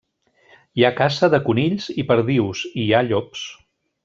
Hi ha caça de conills i perdius, i hi ha llops.